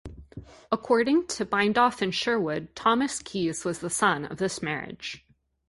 According to Bindoff and Sherwood, Thomas Keyes was the son of this marriage.